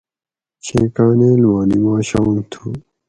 چھی کانیل ماں نِماشام تھو